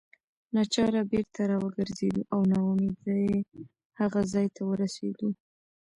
ناچاره بیرته راوګرځېدو او نا امیدۍ هغه ځای ته ورسېدو.